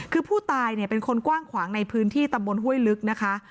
คือผู้ตายเนี่ยเป็นคนกว้างขวางในพื้นที่ตำบลห้วยลึกนะคะ